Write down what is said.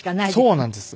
そうなんです。